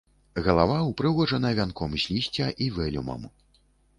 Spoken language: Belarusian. Галава ўпрыгожана вянком з лісця і вэлюмам.